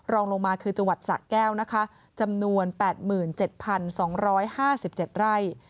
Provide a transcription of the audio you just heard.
รองลงมาคือจังหวัดสะแก้วนะคะจำนวน๘๗๒๕๗ไร่